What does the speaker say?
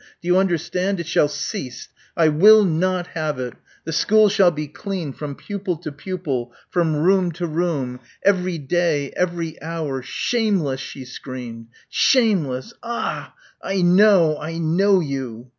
Do you understand? It shall cease. I will not have it.... The school shall be clean ... from pupil to pupil ... from room to room.... Every day ... every hour.... Shameless!" she screamed. "Shameless. Ah! I know. I know you."